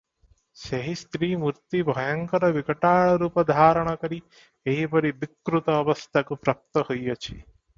ସେହି ସ୍ତ୍ରୀ ମୂର୍ତ୍ତି ଭୟଙ୍କର ବିକଟାଳ ରୂପ ଧାରଣ କରି ଏହିପରି ବିକୃତ ଅବସ୍ଥାକୁ ପ୍ରାପ୍ତ ହୋଇଅଛି ।